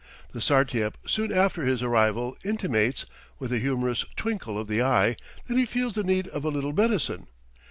The Sartiep soon after his arrival intimates, with a humorous twinkle of the eye, that he feels the need of a little medicine.